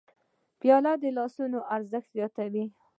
پیاله د لاسونو ارزښت زیاتوي.